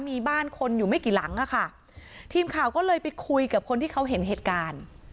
มีบ้านคนอยู่ไม่กี่หลังอ่ะค่ะทีมข่าวก็เลยไปคุยกับคนที่เขาเห็นเหตุการณ์